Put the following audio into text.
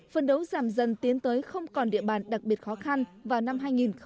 phân đấu giảm dần tiến tới không còn địa bàn đặc biệt khó khăn vào năm hai nghìn ba mươi